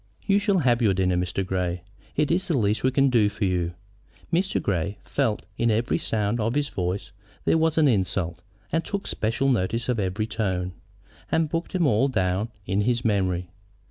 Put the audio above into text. "You shall have your dinner, Mr. Grey. It is the least we can do for you." Mr. Grey felt that in every sound of his voice there was an insult, and took special notice of every tone, and booked them all down in his memory.